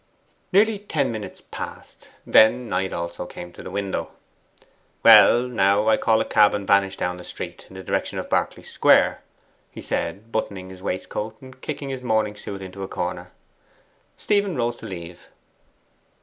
Nearly ten minutes passed. Then Knight also came to the window. 'Well, now, I call a cab and vanish down the street in the direction of Berkeley Square,' he said, buttoning his waistcoat and kicking his morning suit into a corner. Stephen rose to leave.